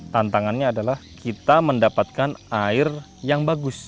tantangannya adalah kita mendapatkan air yang bagus